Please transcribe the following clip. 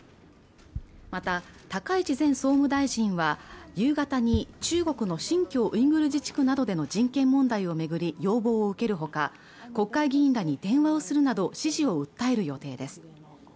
また高市前総務大臣は夕方に中国の新疆ウイグル自治区などでの人権問題を巡り要望を受けるほか国会議員らに電話をするなど支持を訴える予定です